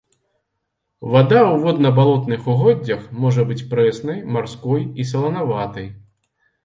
Вада ў водна-балотных угоддзях можа быць прэснай, марской і саланаватай.